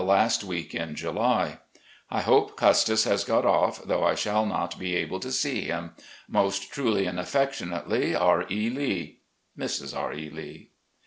A ROUND OP VISITS 415 " I hope Custis has got off, though I shall not be able to see him. "Most truly and affectionately, "R. E. Lee. "Mrs. R. E. Lee."